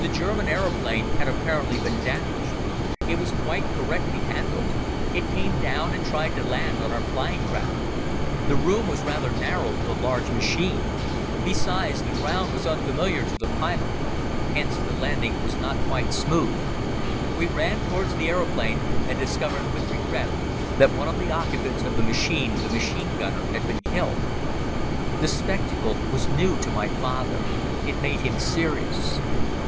The German aeroplane had apparently been damaged. It was quite correctly handled. It came down and tried to land on our flying ground. The room was rather narrow for the large machine. Besides, the ground was unfamiliar to the pilot. Hence, the landing was not quite smooth. We ran towards the aeroplane and discovered with regret that one of the occupants of the machine, the machine gunner, had been killed. The spectacle was new to my father. It made him serious.